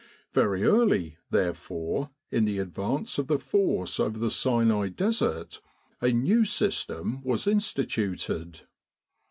Very early, there fore, in the advance of the Force over the Sinai Desert, a new system was instituted.